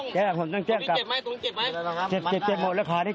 เจ็บหมดแล้วขาได้เจ็บตามขาเลย